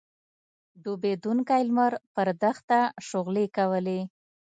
ډوبېدونکی لمر پر دښته شغلې کولې.